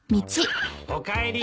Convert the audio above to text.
おかえり。